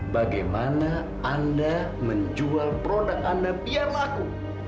bagaimana anda menjual produk anda biar laku